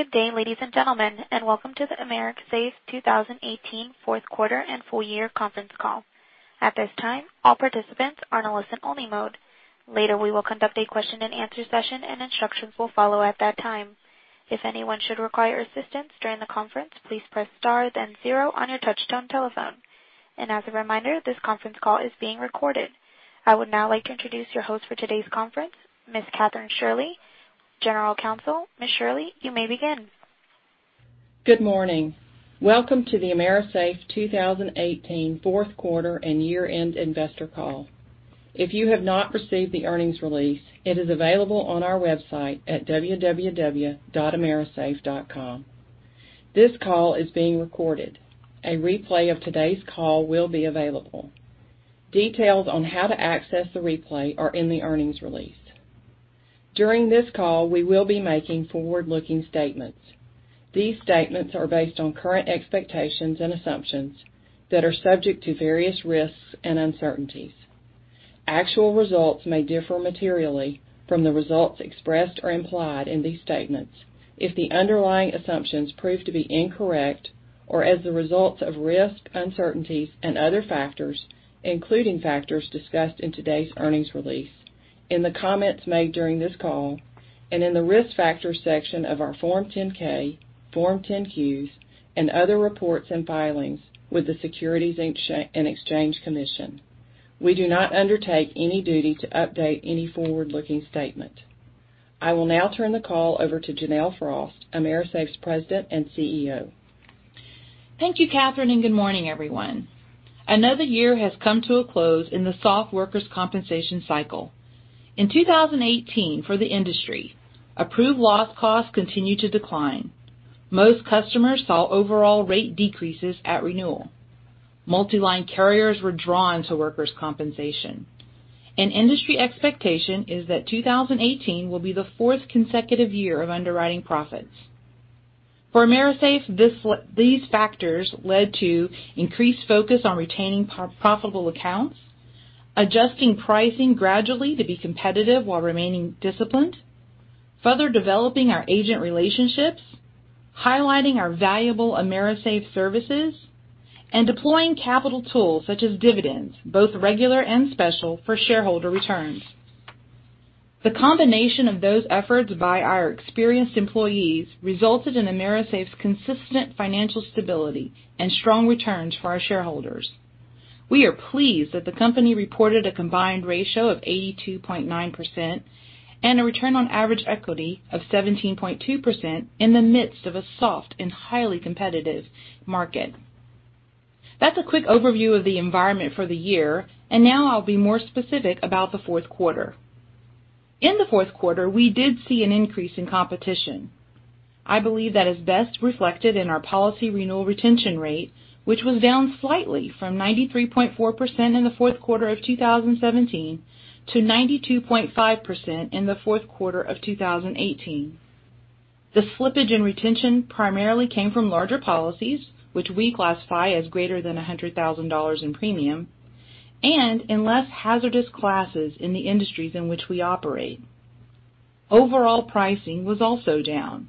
Good day, ladies and gentlemen, welcome to the AMERISAFE 2018 fourth quarter and full year conference call. At this time, all participants are in a listen only mode. Later, we will conduct a question and answer session, instructions will follow at that time. If anyone should require assistance during the conference, please press star then zero on your touch-tone telephone. As a reminder, this conference call is being recorded. I would now like to introduce your host for today's conference, Ms. Kathryn Shirley, General Counsel. Ms. Shirley, you may begin. Good morning. Welcome to the AMERISAFE 2018 fourth quarter and year-end investor call. If you have not received the earnings release, it is available on our website at www.amerisafe.com. This call is being recorded. A replay of today's call will be available. Details on how to access the replay are in the earnings release. During this call, we will be making forward-looking statements. These statements are based on current expectations and assumptions that are subject to various risks and uncertainties. Actual results may differ materially from the results expressed or implied in these statements if the underlying assumptions prove to be incorrect or as a result of risks, uncertainties, and other factors, including factors discussed in today's earnings release, in the comments made during this call, and in the Risk Factors section of our Form 10-K, Form 10-Qs, and other reports and filings with the Securities and Exchange Commission. We do not undertake any duty to update any forward-looking statement. I will now turn the call over to Janelle Frost, AMERISAFE's President and CEO. Thank you, Kathryn, good morning, everyone. Another year has come to a close in the soft workers' compensation cycle. In 2018, for the industry, approved loss costs continued to decline. Most customers saw overall rate decreases at renewal. Multiline carriers were drawn to workers' compensation, industry expectation is that 2018 will be the fourth consecutive year of underwriting profits. For AMERISAFE, these factors led to increased focus on retaining profitable accounts, adjusting pricing gradually to be competitive while remaining disciplined, further developing our agent relationships, highlighting our valuable AMERISAFE services, deploying capital tools such as dividends, both regular and special, for shareholder returns. The combination of those efforts by our experienced employees resulted in AMERISAFE's consistent financial stability and strong returns for our shareholders. We are pleased that the company reported a combined ratio of 82.9% and a return on average equity of 17.2% in the midst of a soft and highly competitive market. That's a quick overview of the environment for the year, and now I'll be more specific about the fourth quarter. In the fourth quarter, we did see an increase in competition. I believe that is best reflected in our policy renewal retention rate, which was down slightly from 93.4% in the fourth quarter of 2017 to 92.5% in the fourth quarter of 2018. The slippage in retention primarily came from larger policies, which we classify as greater than $100,000 in premium, and in less hazardous classes in the industries in which we operate. Overall pricing was also down,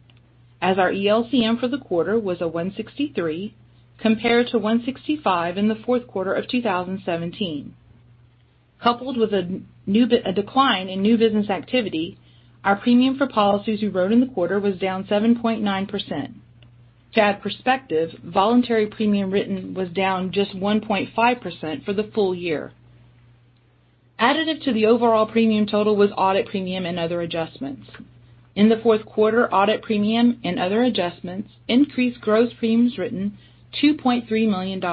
as our ELCM for the quarter was a 163 compared to 165 in the fourth quarter of 2017. Coupled with a decline in new business activity, our premium for policies we wrote in the quarter was down 7.9%. To add perspective, voluntary premium written was down just 1.5% for the full year. Additive to the overall premium total was audit premium and other adjustments. In the fourth quarter, audit premium and other adjustments increased gross premiums written $2.3 million,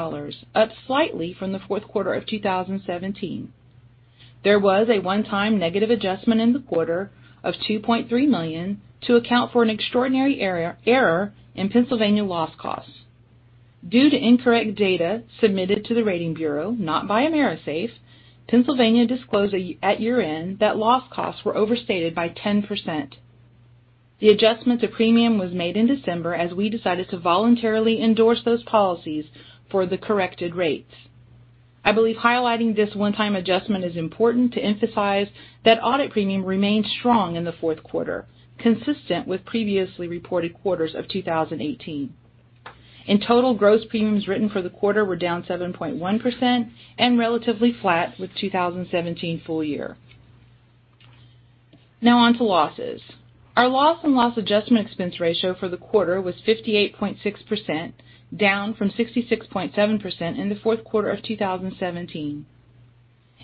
up slightly from the fourth quarter of 2017. There was a one-time negative adjustment in the quarter of $2.3 million to account for an extraordinary error in Pennsylvania loss costs. Due to incorrect data submitted to the rating bureau, not by AMERISAFE, Pennsylvania disclosed at year-end that loss costs were overstated by 10%. The adjustment to premium was made in December as we decided to voluntarily endorse those policies for the corrected rates. I believe highlighting this one-time adjustment is important to emphasize that audit premium remained strong in the fourth quarter, consistent with previously reported quarters of 2018. In total, gross premiums written for the quarter were down 7.1% and relatively flat with 2017 full year. Now on to losses. Our loss and loss adjustment expense ratio for the quarter was 58.6%, down from 66.7% in the fourth quarter of 2017.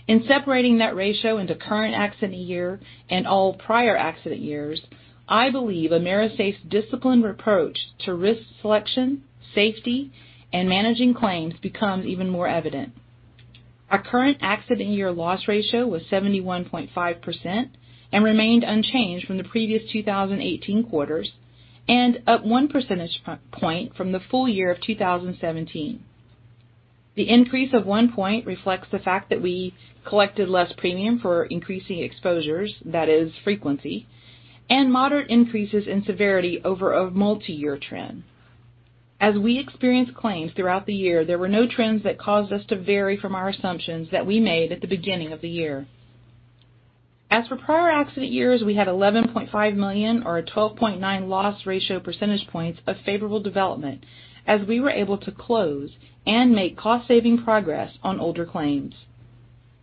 In separating that ratio into current accident year and all prior accident years, I believe AMERISAFE's disciplined approach to risk selection, safety, and managing claims becomes even more evident. Our current accident year loss ratio was 71.5% and remained unchanged from the previous 2018 quarters, and up one percentage point from the full year of 2017. The increase of one point reflects the fact that we collected less premium for increasing exposures, that is frequency, and moderate increases in severity over a multi-year trend. As we experienced claims throughout the year, there were no trends that caused us to vary from our assumptions that we made at the beginning of the year. As for prior accident years, we had $11.5 million or a 12.9 loss ratio percentage points of favorable development as we were able to close and make cost-saving progress on older claims.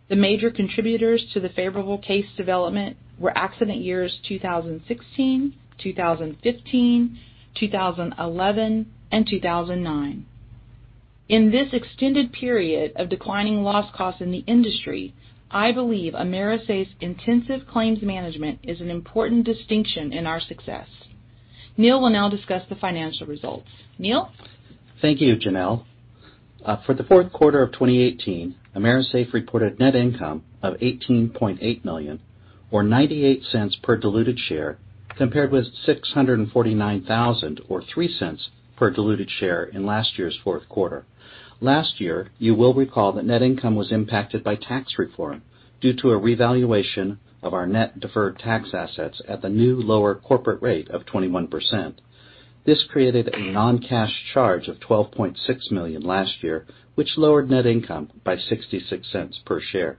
The major contributors to the favorable case development were accident years 2016, 2015, 2011, and 2009. In this extended period of declining loss costs in the industry, I believe AMERISAFE's intensive claims management is an important distinction in our success. Neal will now discuss the financial results. Neal? Thank you, Janelle. For the fourth quarter of 2018, AMERISAFE reported net income of $18.8 million or $0.98 per diluted share, compared with $649,000 or $0.03 per diluted share in last year's fourth quarter. Last year, you will recall that net income was impacted by tax reform due to a revaluation of our net deferred tax assets at the new lower corporate rate of 21%. This created a non-cash charge of $12.6 million last year, which lowered net income by $0.66 per share.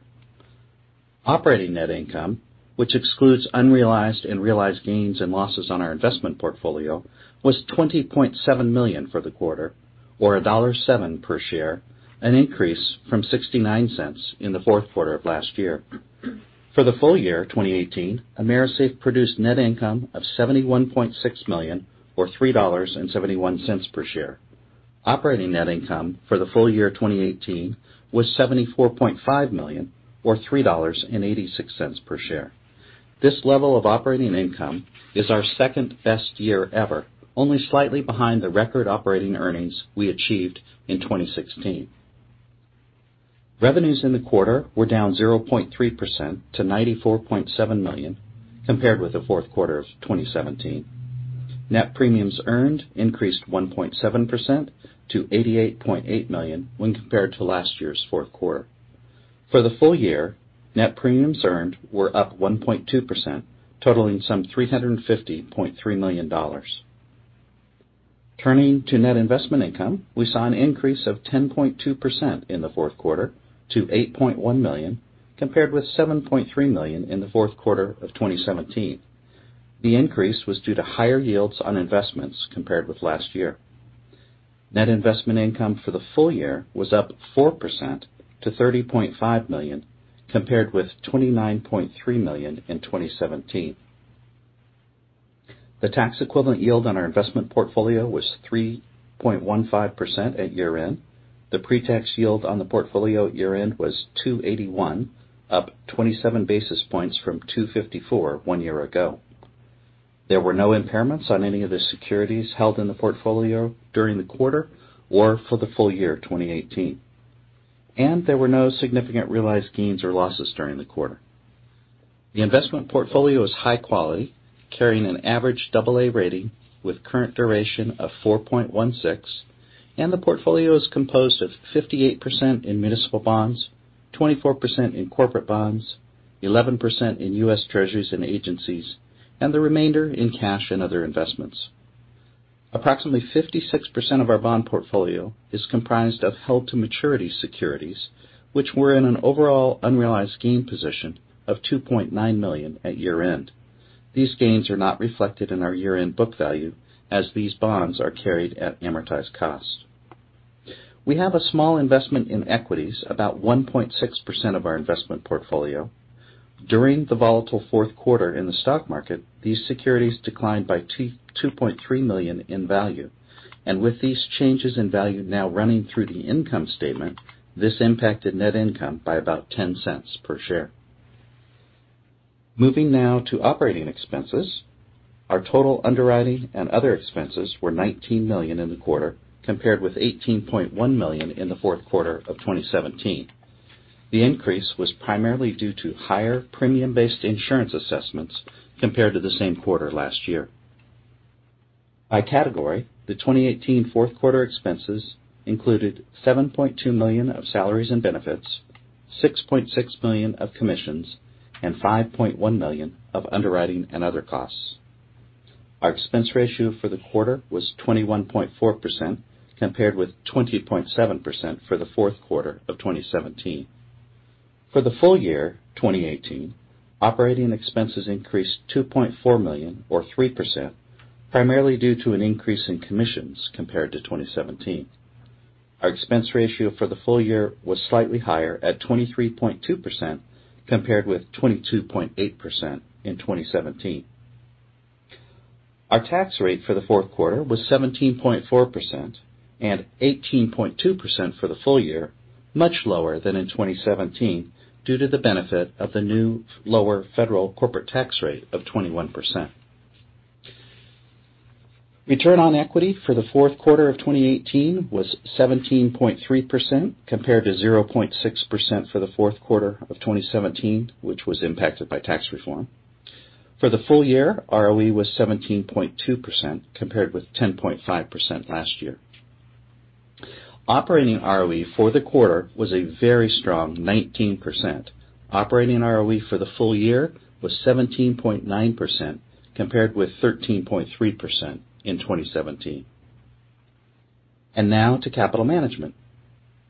Operating net income, which excludes unrealized and realized gains and losses on our investment portfolio, was $20.7 million for the quarter, or $1.07 per share, an increase from $0.69 in the fourth quarter of last year. For the full year 2018, AMERISAFE produced net income of $71.6 million or $3.71 per share. Operating net income for the full year 2018 was $74.5 million or $3.86 per share. This level of operating income is our second-best year ever, only slightly behind the record operating earnings we achieved in 2016. Revenues in the quarter were down 0.3% to $94.7 million compared with the fourth quarter of 2017. Net premiums earned increased 1.7% to $88.8 million when compared to last year's fourth quarter. For the full year, net premiums earned were up 1.2%, totaling some $350.3 million. Turning to net investment income, we saw an increase of 10.2% in the fourth quarter to $8.1 million, compared with $7.3 million in the fourth quarter of 2017. The increase was due to higher yields on investments compared with last year. Net investment income for the full year was up 4% to $30.5 million, compared with $29.3 million in 2017. The tax-equivalent yield on our investment portfolio was 3.15% at year-end. The pre-tax yield on the portfolio at year-end was 281, up 27 basis points from 254 one year ago. There were no impairments on any of the securities held in the portfolio during the quarter or for the full year 2018. There were no significant realized gains or losses during the quarter. The investment portfolio is high quality, carrying an average AA rating with current duration of 4.16, and the portfolio is composed of 58% in municipal bonds, 24% in corporate bonds, 11% in U.S. Treasuries and agencies, and the remainder in cash and other investments. Approximately 56% of our bond portfolio is comprised of held-to-maturity securities, which were in an overall unrealized gain position of $2.9 million at year-end. These gains are not reflected in our year-end book value as these bonds are carried at amortized cost. We have a small investment in equities, about 1.6% of our investment portfolio. During the volatile fourth quarter in the stock market, these securities declined by $2.3 million in value. With these changes in value now running through the income statement, this impacted net income by about $0.10 per share. Moving now to operating expenses. Our total underwriting and other expenses were $19 million in the quarter, compared with $18.1 million in the fourth quarter of 2017. The increase was primarily due to higher premium-based insurance assessments compared to the same quarter last year. By category, the 2018 fourth quarter expenses included $7.2 million of salaries and benefits, $6.6 million of commissions, and $5.1 million of underwriting and other costs. Our expense ratio for the quarter was 21.4%, compared with 20.7% for the fourth quarter of 2017. For the full year 2018, operating expenses increased $2.4 million or 3%, primarily due to an increase in commissions compared to 2017. Our expense ratio for the full year was slightly higher at 23.2%, compared with 22.8% in 2017. Our tax rate for the fourth quarter was 17.4% and 18.2% for the full year, much lower than in 2017 due to the benefit of the new lower federal corporate tax rate of 21%. Return on equity for the fourth quarter of 2018 was 17.3%, compared to 0.6% for the fourth quarter of 2017, which was impacted by tax reform. For the full year, ROE was 17.2%, compared with 10.5% last year. Operating ROE for the quarter was a very strong 19%. Operating ROE for the full year was 17.9%, compared with 13.3% in 2017. Now to capital management.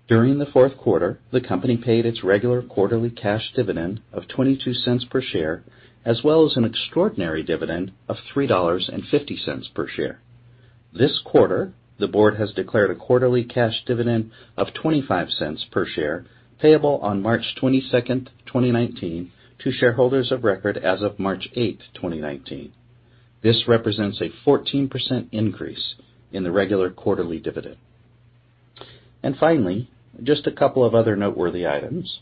During the fourth quarter, the company paid its regular quarterly cash dividend of $0.22 per share, as well as an extraordinary dividend of $3.50 per share. This quarter, the board has declared a quarterly cash dividend of $0.25 per share, payable on March 22nd, 2019 to shareholders of record as of March 8th, 2019. This represents a 14% increase in the regular quarterly dividend. Finally, just a couple of other noteworthy items.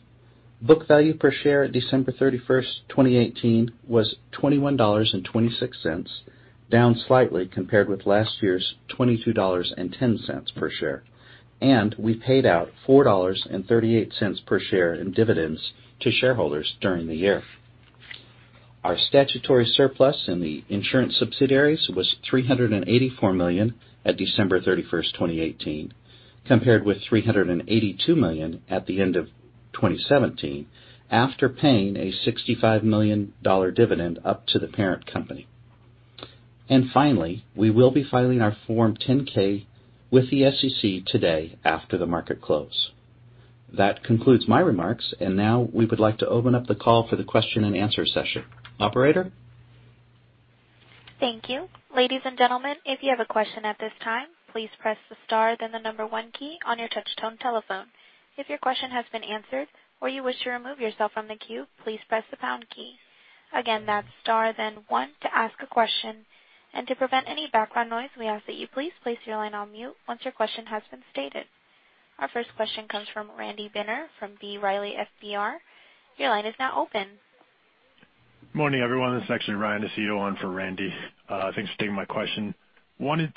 Book value per share at December 31st, 2018, was $21.26, down slightly compared with last year's $22.10 per share. We paid out $4.38 per share in dividends to shareholders during the year. Our statutory surplus in the insurance subsidiaries was $384 million at December 31st, 2018, compared with $382 million at the end of 2017, after paying a $65 million dividend up to the parent company. Finally, we will be filing our Form 10-K with the SEC today after the market close. That concludes my remarks, and now we would like to open up the call for the question and answer session. Operator? Thank you. Ladies and gentlemen, if you have a question at this time, please press the star then the number one key on your touch tone telephone. If your question has been answered or you wish to remove yourself from the queue, please press the pound key. Again, that's star then one to ask a question, and to prevent any background noise, we ask that you please place your line on mute once your question has been stated. Our first question comes from Randy Binner from B. Riley FBR. Your line is now open. Morning, everyone. This is actually Ryan Dziados on for Randy. Thanks for taking my question. Ryan.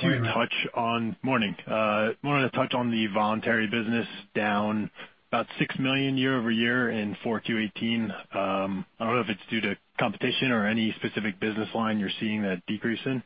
Morning. Wanted to touch on the voluntary business down about $6 million year-over-year in 4Q 2018. I don't know if it's due to competition or any specific business line you're seeing that decrease in.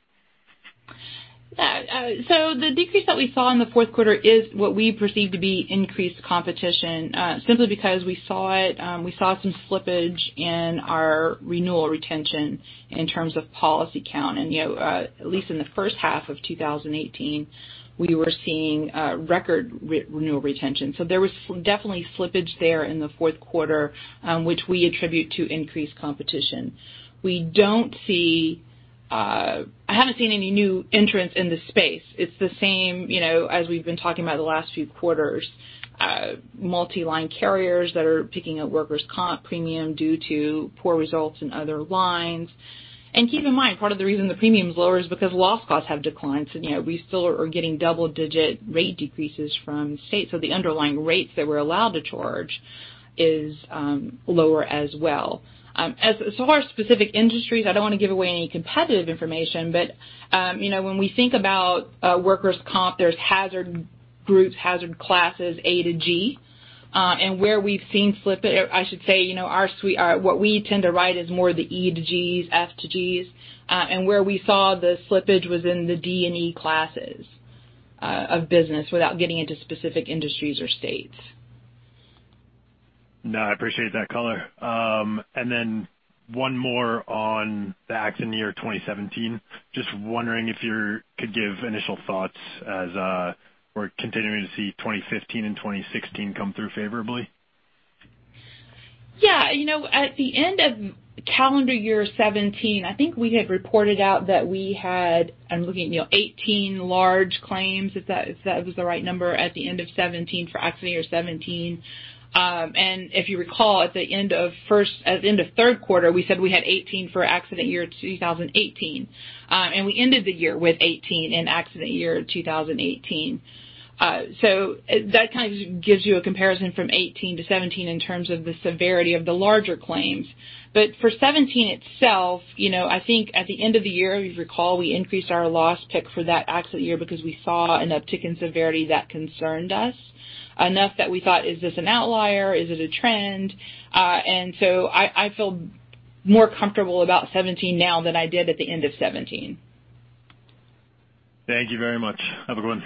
The decrease that we saw in the fourth quarter is what we perceive to be increased competition, simply because we saw some slippage in our renewal retention in terms of policy count, and at least in the first half of 2018, we were seeing record renewal retention. There was definitely slippage there in the fourth quarter, which we attribute to increased competition. I haven't seen any new entrants in this space. It's the same as we've been talking about the last few quarters. Multi-line carriers that are picking up workers' comp premium due to poor results in other lines. Keep in mind, part of the reason the premium's lower is because loss costs have declined. We still are getting double-digit rate decreases from states. The underlying rates that we're allowed to charge is lower as well. As so far specific industries, I don't want to give away any competitive information, but when we think about workers' comp, there's hazard groups, hazard classes A to G, and where we've seen slippage, I should say what we tend to write is more the E to Gs, F to Gs, and where we saw the slippage was in the D and E classes of business without getting into specific industries or states. I appreciate that color. One more on the accident year 2017. Just wondering if you could give initial thoughts as we're continuing to see 2015 and 2016 come through favorably. At the end of calendar year 2017, I think we had reported out that we had, I'm looking, 18 large claims, if that is the right number, at the end of 2017 for accident year 2017. If you recall, at the end of third quarter, we said we had 18 for accident year 2018. We ended the year with 18 in accident year 2018. That kind of gives you a comparison from 2018 to 2017 in terms of the severity of the larger claims. For 2017 itself, I think at the end of the year, if you recall, we increased our loss pick for that accident year because we saw an uptick in severity that concerned us enough that we thought, is this an outlier? Is it a trend? I feel more comfortable about 2017 now than I did at the end of 2017. Thank you very much. Have a good one.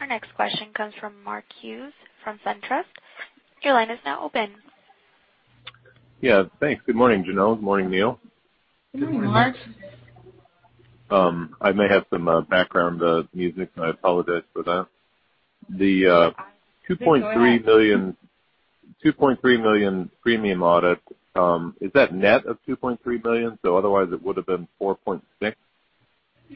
Our next question comes from Mark Hughes from SunTrust. Your line is now open. Yeah. Thanks. Good morning, Janelle. Morning, Neal. Good morning, Mark. I may have some background music, and I apologize for that. No, go ahead. The $2.3 million premium audit, is that net of $2.3 million? Otherwise it would have been $4.6 audit premium.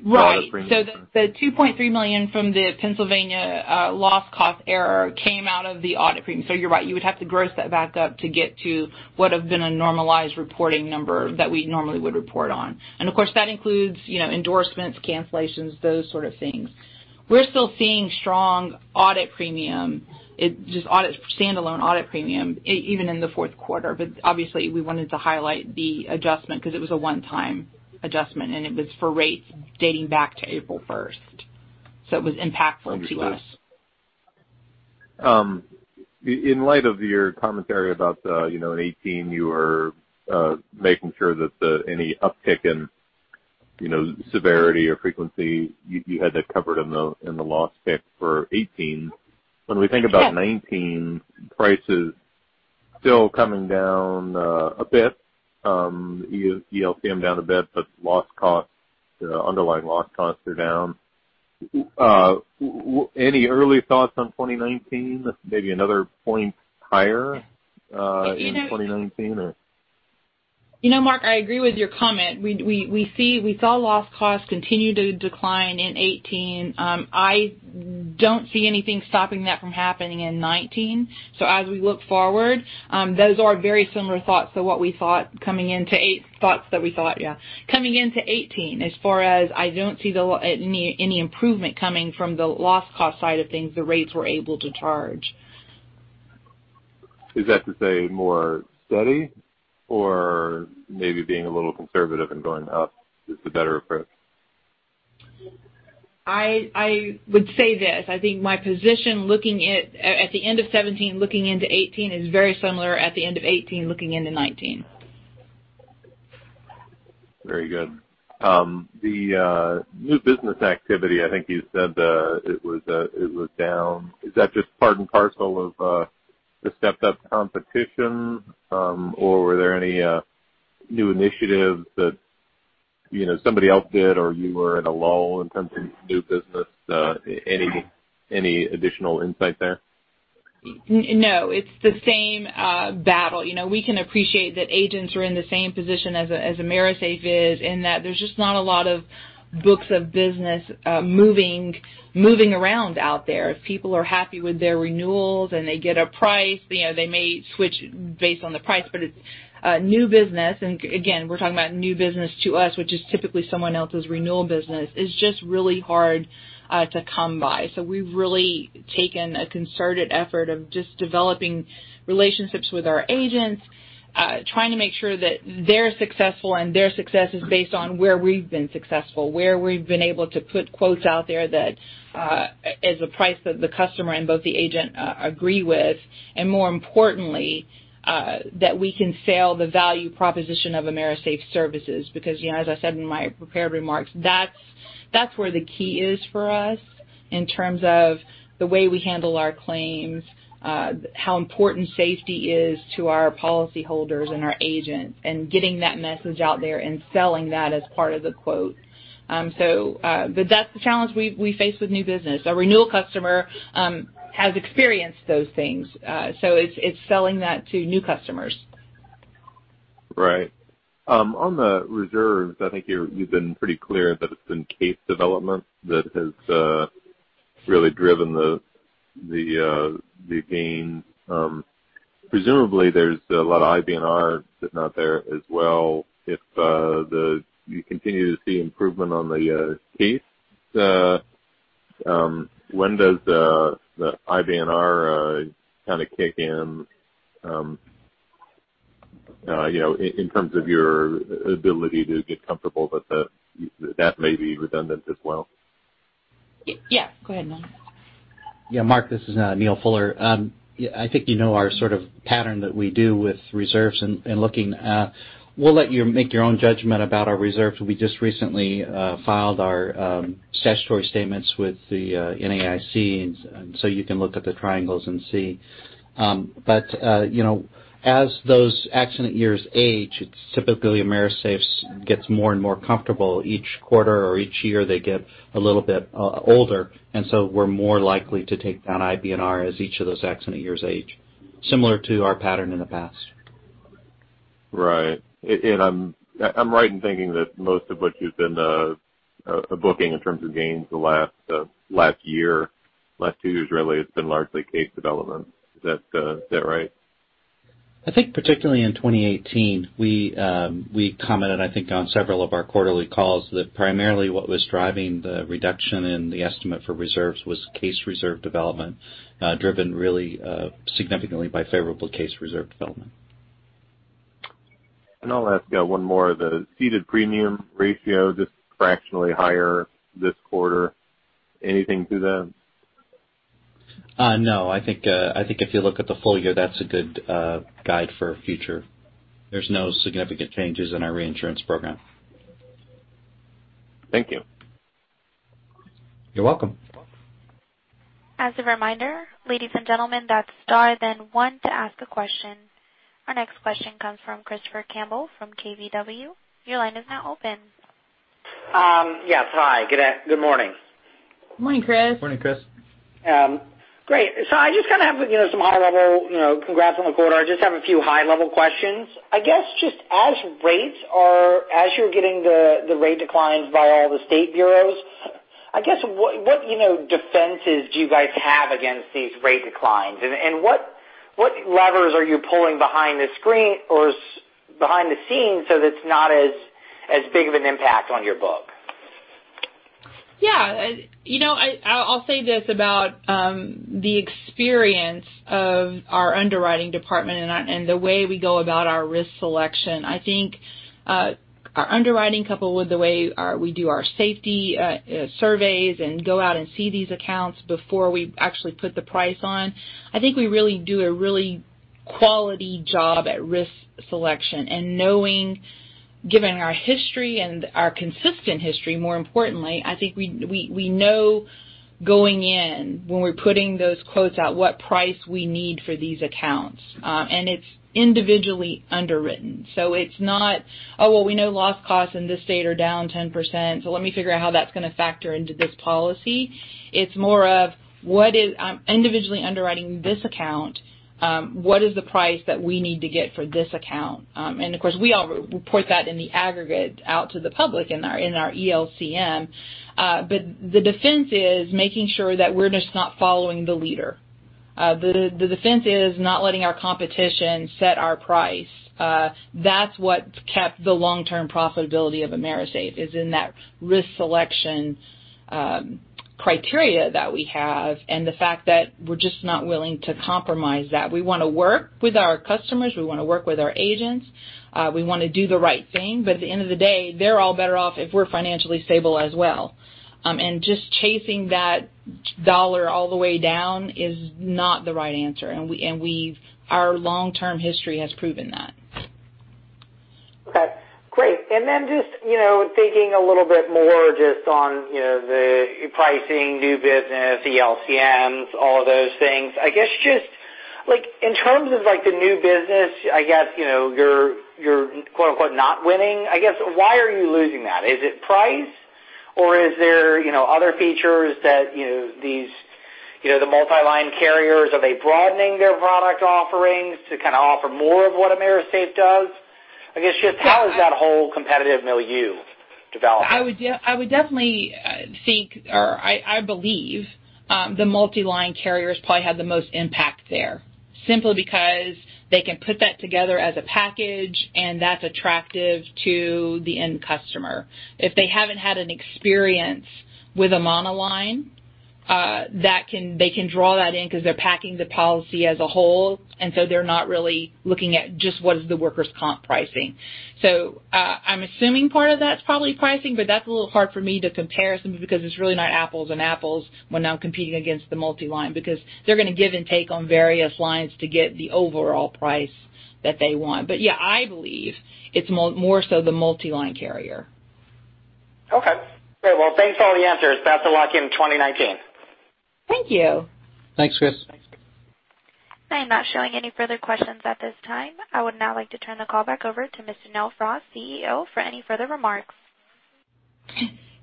Right. The $2.3 million from the Pennsylvania loss cost error came out of the audit premium. You're right, you would have to gross that back up to get to what would have been a normalized reporting number that we normally would report on. Of course, that includes endorsements, cancellations, those sort of things. We're still seeing strong audit premium, just standalone audit premium, even in the fourth quarter. Obviously, we wanted to highlight the adjustment because it was a one-time adjustment, and it was for rates dating back to April 1st. It was impactful to us. Understood. In light of your commentary about in 2018, you were making sure that any uptick in severity or frequency, you had that covered in the loss pick for 2018. Yes. When we think about 2019 prices Still coming down a bit. ELCM down a bit, underlying loss costs are down. Any early thoughts on 2019? Maybe another point higher in 2019? Mark, I agree with your comment. We saw loss costs continue to decline in 2018. I don't see anything stopping that from happening in 2019. As we look forward, those are very similar thoughts to what we thought coming into 2018, as far as I don't see any improvement coming from the loss cost side of things, the rates we're able to charge. Is that to say more steady or maybe being a little conservative and going up is the better approach? I would say this, I think my position at the end of 2017, looking into 2018 is very similar at the end of 2018, looking into 2019. Very good. The new business activity, I think you said it was down. Is that just part and parcel of the stepped-up competition? Were there any new initiatives that somebody else did or you were at a lull in terms of new business? Any additional insight there? No, it's the same battle. We can appreciate that agents are in the same position as AMERISAFE is, in that there's just not a lot of books of business moving around out there. If people are happy with their renewals and they get a price, they may switch based on the price. New business, and again, we're talking about new business to us, which is typically someone else's renewal business, is just really hard to come by. We've really taken a concerted effort of just developing relationships with our agents, trying to make sure that they're successful, and their success is based on where we've been successful. Where we've been able to put quotes out there that is a price that the customer and both the agent agree with. More importantly, that we can sell the value proposition of AMERISAFE's services. As I said in my prepared remarks, that's where the key is for us in terms of the way we handle our claims, how important safety is to our policyholders and our agents, and getting that message out there and selling that as part of the quote. That's the challenge we face with new business. A renewal customer has experienced those things. It's selling that to new customers. Right. On the reserves, I think you've been pretty clear that it's been case development that has really driven the gain. Presumably, there's a lot of IBNR sitting out there as well. If you continue to see improvement on the case, when does the IBNR kind of kick in terms of your ability to get comfortable that maybe redundant as well? Yeah. Go ahead, Neal. Mark, this is Neal Fuller. I think you know our pattern that we do with reserves and looking. We'll let you make your own judgment about our reserves. We just recently filed our statutory statements with the NAIC, and so you can look at the triangles and see. As those accident years age, it's typically AMERISAFE gets more and more comfortable each quarter or each year, they get a little bit older, and so we're more likely to take down IBNR as each of those accident years age, similar to our pattern in the past. Right. I'm right in thinking that most of what you've been booking in terms of gains the last year, last two years really, has been largely case development. Is that right? I think particularly in 2018, we commented, I think, on several of our quarterly calls that primarily what was driving the reduction in the estimate for reserves was case reserve development driven really significantly by favorable case reserve development. I'll ask one more. The ceded premium ratio, just fractionally higher this quarter. Anything to that? No, I think if you look at the full year, that's a good guide for future. There's no significant changes in our reinsurance program. Thank you. You're welcome. As a reminder, ladies and gentlemen, that's star then one to ask a question. Our next question comes from Christopher Campbell from KBW. Your line is now open. Yes. Hi, good morning. Morning, Chris. Morning, Chris. Great. Congrats on the quarter. I just have a few high-level questions. I guess just as you're getting the rate declines by all the state bureaus, I guess, what defenses do you guys have against these rate declines? What levers are you pulling behind the scenes so that it's not as big of an impact on your book? Yeah. I'll say this about the experience of our underwriting department and the way we go about our risk selection. I think our underwriting, coupled with the way we do our safety surveys and go out and see these accounts before we actually put the price on, I think we really do a really quality job at risk selection and knowing given our history and our consistent history, more importantly, I think we know going in when we're putting those quotes out what price we need for these accounts. It's individually underwritten, so it's not, "Oh, well, we know loss costs in this state are down 10%, so let me figure out how that's going to factor into this policy." It's more of, I'm individually underwriting this account. What is the price that we need to get for this account? Of course, we all report that in the aggregate out to the public in our ELCM. The defense is making sure that we're just not following the leader. The defense is not letting our competition set our price. That's what's kept the long-term profitability of AMERISAFE, is in that risk selection criteria that we have and the fact that we're just not willing to compromise that. We want to work with our customers, we want to work with our agents. We want to do the right thing, but at the end of the day, they're all better off if we're financially stable as well. Just chasing that dollar all the way down is not the right answer. Our long-term history has proven that. Okay, great. Just thinking a little bit more just on the pricing, new business, ELCMs, all of those things, I guess just, in terms of the new business, I guess you're "not winning," I guess, why are you losing that? Is it price, or is there other features that these multi-line carriers, are they broadening their product offerings to kind of offer more of what AMERISAFE does? I guess just how has that whole competitive milieu developed? I would definitely think, or I believe, the multi-line carriers probably have the most impact there. Simply because they can put that together as a package, and that's attractive to the end customer. If they haven't had an experience with a monoline, they can draw that in because they're packing the policy as a whole, and they're not really looking at just what is the workers' comp pricing. I'm assuming part of that's probably pricing, but that's a little hard for me to compare simply because it's really not apples and apples when I'm competing against the multi-line because they're going to give and take on various lines to get the overall price that they want. Yeah, I believe it's more so the multi-line carrier. Okay. Great. Well, thanks for all the answers. Best of luck in 2019. Thank you. Thanks, Chris. I am not showing any further questions at this time. I would now like to turn the call back over to Miss Jenelle Frost, CEO, for any further remarks.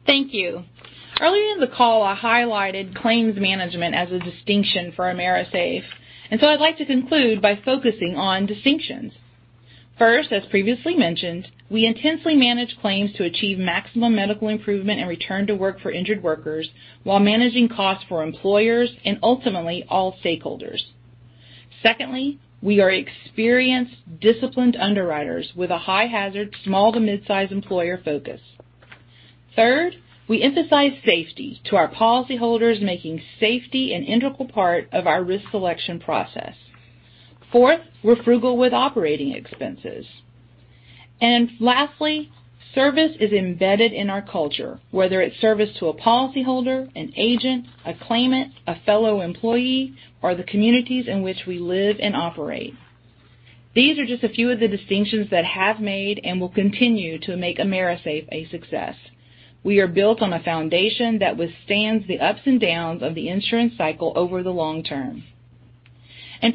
Thank you. Earlier in the call, I highlighted claims management as a distinction for AMERISAFE, so I'd like to conclude by focusing on distinctions. First, as previously mentioned, we intensely manage claims to achieve maximum medical improvement and return to work for injured workers while managing costs for employers and ultimately all stakeholders. Secondly, we are experienced, disciplined underwriters with a high-hazard, small to mid-size employer focus. Third, we emphasize safety to our policyholders, making safety an integral part of our risk selection process. Fourth, we're frugal with operating expenses. Lastly, service is embedded in our culture, whether it's service to a policyholder, an agent, a claimant, a fellow employee, or the communities in which we live and operate. These are just a few of the distinctions that have made and will continue to make AMERISAFE a success. We are built on a foundation that withstands the ups and downs of the insurance cycle over the long term.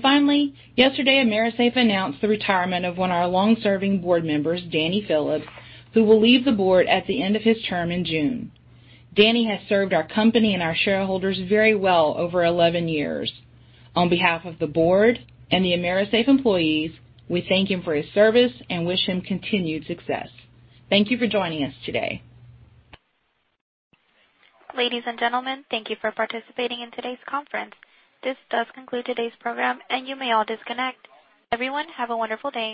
Finally, yesterday, AMERISAFE announced the retirement of one our long-serving board members, Danny Phillips, who will leave the board at the end of his term in June. Danny has served our company and our shareholders very well over 11 years. On behalf of the board and the AMERISAFE employees, we thank him for his service and wish him continued success. Thank you for joining us today. Ladies and gentlemen, thank you for participating in today's conference. This does conclude today's program, and you may all disconnect. Everyone, have a wonderful day.